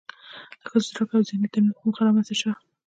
د ښځو د زده کړو او ذهني تنوير په موخه رامنځ ته شوه.